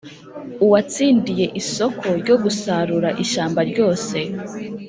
Uwatsindiye isoko ryo gusarura ishyamba ryose